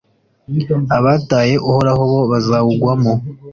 abataye uhoraho bo bazawugwamo